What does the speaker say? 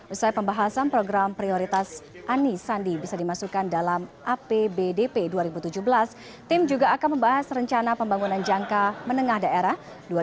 usai pembahasan program prioritas anisandi bisa dimasukkan dalam apbdp dua ribu tujuh belas tim juga akan membahas rencana pembangunan jangka menengah daerah dua ribu delapan belas dua ribu dua puluh dua